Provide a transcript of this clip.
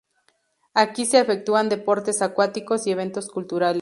Aquí se efectúan deportes acuáticos y eventos culturales.